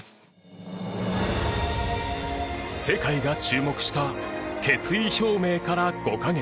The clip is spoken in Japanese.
世界が注目した決意表明から５カ月。